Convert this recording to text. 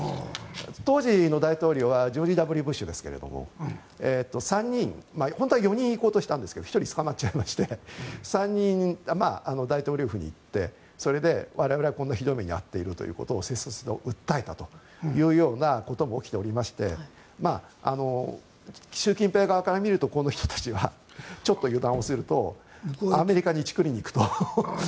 当時の大統領はジョージ・Ｗ・ブッシュですが３人本当は４人行こうとしたんですが１人捕まっちゃいまして３人、大統領府に行ってそれで我々はこんなひどい目に遭っていると切々と訴えたというようなことも起きておりまして習近平側から見るとこの人たちはちょっと油断をするとアメリカにチクりに行くと。